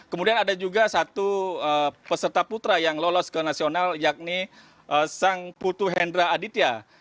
kemudian ada juga satu peserta putra yang lolos ke nasional yakni sang putu hendra aditya